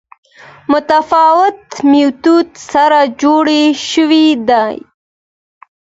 متفاوت میتود سره جوړې شوې دي